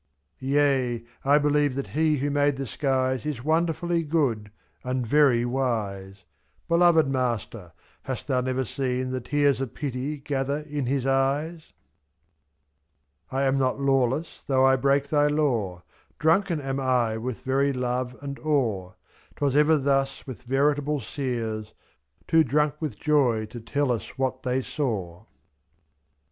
Yea! I believe that He who made the skies Is wonderfully good, and very wise, — lot. Beloved Master! Hast thou never seen The tears of pity gather in His eyes ? 53 I am not lawless, though I break Thy law. Drunken am I with very love and awe; f^J, 'Twas ever thus with veritable seers — Too drunk with joy to tell us what they saw.